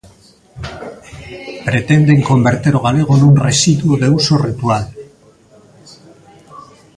Pretenden converter o galego nun residuo de uso ritual.